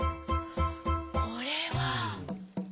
これは。